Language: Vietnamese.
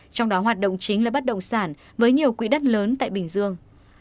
trong đó hoạt động chính là bất động sản với nhiều quỹ đất lớn tại bình dương